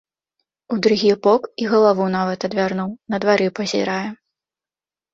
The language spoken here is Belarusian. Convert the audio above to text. У другі бок і галаву нават адвярнуў, на двары пазірае.